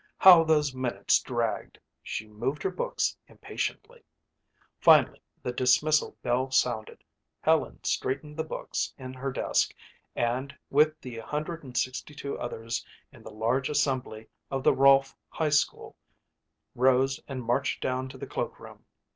How those minutes dragged. She moved her books impatiently. Finally the dismissal bell sounded. Helen straightened the books in her desk and, with the 162 others in the large assembly of the Rolfe High School, rose and marched down to the cloak room.